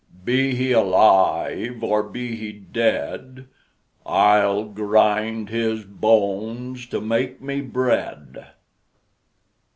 Be he alive or be he dead, I'll grind his bones to make me bread!"